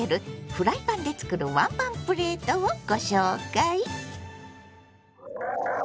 フライパンで作るワンパンプレートをご紹介！